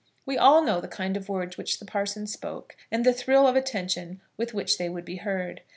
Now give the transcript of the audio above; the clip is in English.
We all know the kind of words which the parson spoke, and the thrill of attention with which they would be heard.